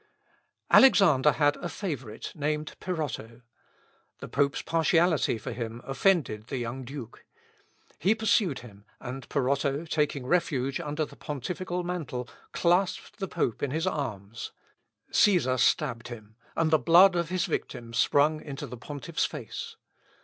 Alexander had a favourite, named Peroto. The pope's partiality for him offended the young Duke. He pursued him, and Peroto, taking refuge under the pontifical mantle, clasped the pope in his arms. Cæsar stabbed him, and the blood of his victim sprung into the pontiffs face.